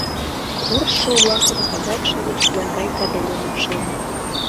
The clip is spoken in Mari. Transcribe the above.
Куржшо-влакым казак-шамыч нагайка дене лупшеныт.